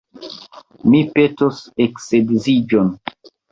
Mi petos eksedziĝon.